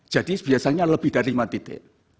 jadi biasanya lebih dari lima titik